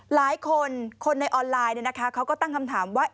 หลายคนคนในออนไลน์เขาก็ตั้งคำถามว่า